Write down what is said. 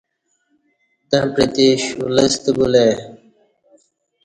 دں پعتے شولستہ بُلہ ای